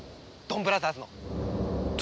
ドンブラザーズ？